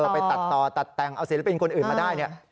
ไปตัดต่อตัดแต่งเอาศิลปินคนอื่นมาได้เนี่ย